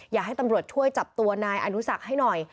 อยากให้ตำรวจช่วยจับตัวนายอนุสักให้หน่อย